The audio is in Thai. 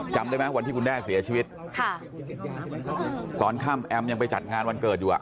จำได้ไหมวันที่คุณแด้เสียชีวิตค่ะตอนข้ามแอมยังไปจัดงานวันเกิดอยู่อ่ะ